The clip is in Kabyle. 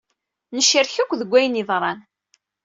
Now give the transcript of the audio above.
Necrek akk deg ayen yeḍran.